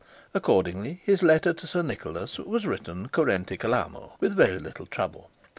Accordingly, his letter to Sir Nicholas was written currente calamo, with very little trouble.